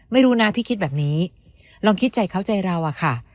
ไม่รู้นะพี่คิดแบบนี้ลองคิดใจเขาใจเราอะค่ะ